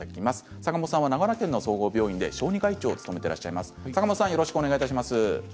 坂本さんは長野県の総合病院で小児科医長を務めていらっしゃいます。